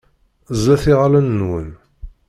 Ẓẓlet iɣallen-nwen.